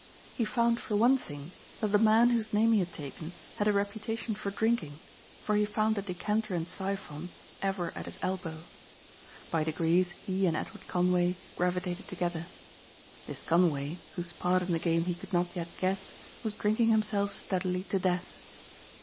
He found for one thing that the man whose name he had taken had a reputation for drinking for he found a decanter and siphon ever at his elbow. By degrees he and Edward Conway gravitated together. This Conway, whose part in the game he could not yet guess, was drinking himself steadily to death.